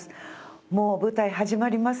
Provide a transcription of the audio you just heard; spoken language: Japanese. もう舞台始まりますね。